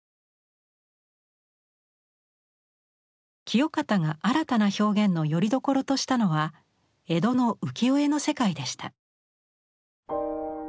清方が新たな表現のよりどころとしたのは江戸の浮世絵の世界でした。